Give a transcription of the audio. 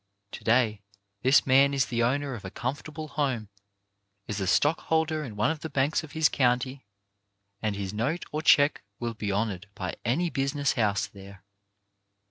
To day this man is the owner of a comfortable home, is a stockholder in one of the banks of his county, and his note or check will be honoured by any business house there.